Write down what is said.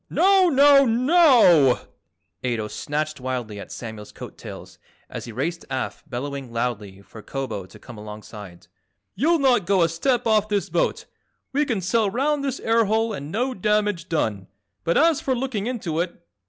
"Now, now, NOW!" Ato snatched wildly at Samuel's coat tails as he raced aft bellowing loudly for Kobo to come alongside. "You'll not go a step off this boat. We can sail round this air hole and no damage done, but as for looking into it!